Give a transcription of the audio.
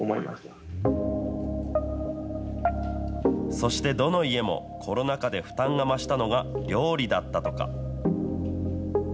そして、どの家もコロナ禍で負担が増したのが料理だったとか。